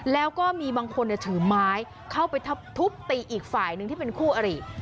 แล้วก็มีบางคนถือไม้เข้าไปทุบตีอีกฝ่ายหนึ่งที่เป็นคู่อริ